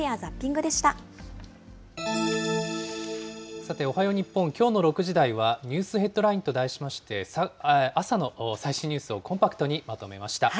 さて、おはよう日本、きょうの６時台はニュースヘッドラインと題しまして、朝の最新ニュースをコンパクトにまとめました。